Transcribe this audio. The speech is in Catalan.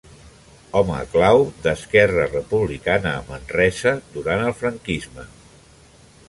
Home clau d'Esquerra Republicana a Manresa durant el franquisme.